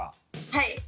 はい。